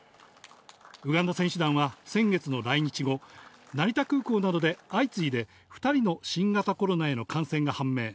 ウガンダ選手団は先月の来日後、成田空港などで相次いで、２人の新型コロナへの感染が判明。